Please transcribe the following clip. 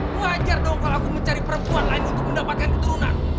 wajar dong kalau aku mencari perempuan lain untuk mendapatkan keturunan